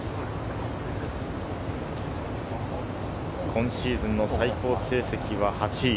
今シーズンの最高成績は８位。